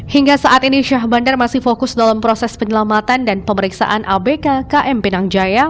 hingga saat ini syah bandar masih fokus dalam proses penyelamatan dan pemeriksaan abk kmp pinang jaya